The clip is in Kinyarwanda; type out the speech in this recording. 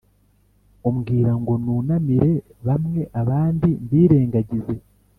umbwira ngo nunamire bamwe abandi mbirengagize?